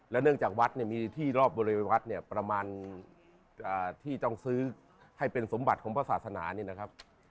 เนื่องจากวัดเนี่ยมีที่รอบบริเวณวัดเนี่ยประมาณที่ต้องซื้อให้เป็นสมบัติของพระศาสนานี่นะครับ